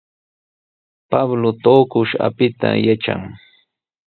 Pablo tuqush apita yatran.